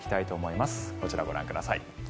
こちらご覧ください。